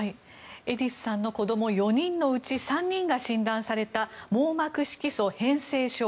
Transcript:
エディスさんの子供４人のうち３人が診断された網膜色素変性症。